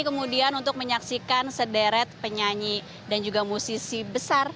kemudian untuk menyaksikan sederet penyanyi dan juga musisi besar